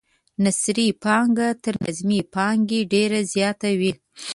نثري پانګه تر نظمي پانګې ډیره زیاته وي.